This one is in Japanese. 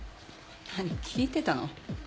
何聞いてたの？